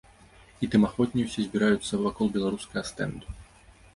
І тым ахвотней усе збіраюцца вакол беларускага стэнду.